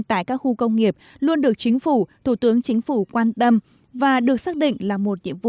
tại các khu công nghiệp luôn được chính phủ thủ tướng chính phủ quan tâm và được xác định là một nhiệm vụ